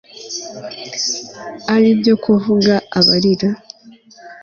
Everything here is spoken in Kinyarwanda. ari byo kuvuga abarira